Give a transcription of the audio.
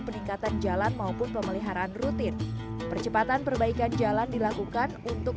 peningkatan jalan maupun pemeliharaan rutin percepatan perbaikan jalan dilakukan untuk